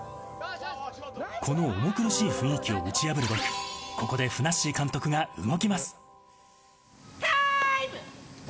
この重苦しい雰囲気を打ち破るべく、ここでふなっしー監督が動きタイム！